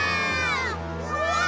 うわ！